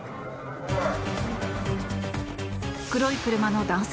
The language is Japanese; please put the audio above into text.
黒い車の男性